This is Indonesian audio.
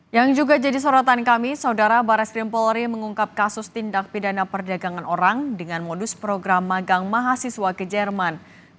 yang juga jadi sorotan kami saudara barres krim polri mengungkap kasus tindak pidana perdagangan orang dengan modus program magang mahasiswa ke jerman